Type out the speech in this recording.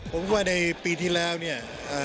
ผมว่าในปีที่แล้วเนี่ย